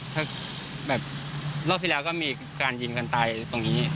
ถ้าแบบรอบที่แล้วก็มีการยิงกันตายตรงนี้